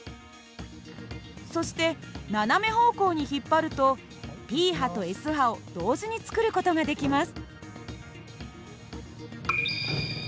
そして斜め方向に引っ張るとＰ波とＳ波を同時に作る事ができます。